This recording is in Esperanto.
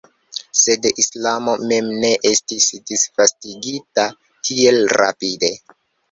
Sed islamo mem ne estis disvastigita tiel rapide.